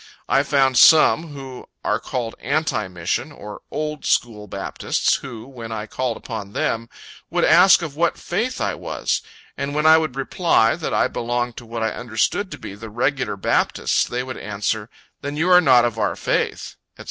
I found some who are called Anti Mission, or Old School Baptists, who, when I called upon them, would ask of what faith I was, and when I would reply, that I belonged to what I understood to be the Regular Baptists, they would answer, "Then you are not of our faith," &c.